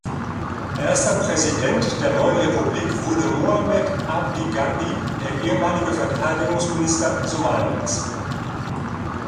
Erster Präsident der neuen Republik wurde Mohamed Abdi Gandhi, der ehemalige Verteidigungsminister Somalias.